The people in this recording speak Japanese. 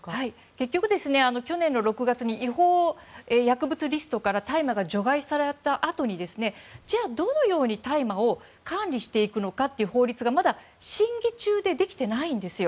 結局、去年の６月に違法薬物リストから大麻が除外されたあとにじゃあどのように大麻を管理していくのかという法律がまだ審議中でできていないんですよ。